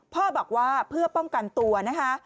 พ่อบอกว่าเพื่อป้องกันตัวนะคะ